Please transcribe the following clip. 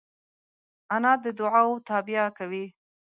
انا د دعاوو تابیا کوي